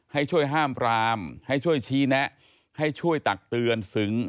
ให้ช่วยห้ามปรามให้ช่วยชี้แนะให้ช่วยตักเตือนซึ้ง